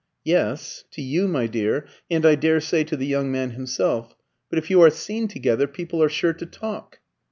"Yes to you, my dear, and I daresay to the young man himself. But if you are seen together, people are sure to talk."